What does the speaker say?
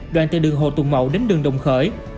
đoạn từ đường hồ tùng mậu đến đường đồng khởi